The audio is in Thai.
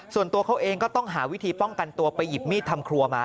ส่วนตัวเขาเองก็ต้องหาวิธีป้องกันตัวไปหยิบมีดทำครัวมา